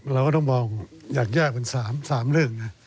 เราก็ต้องมองอยากแยกเป็น๓เรื่องนะ